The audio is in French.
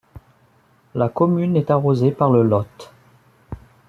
La commune est arrosée par le Lot.